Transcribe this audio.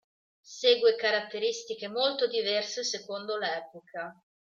Segue caratteristiche molto diverse secondo l'epoca.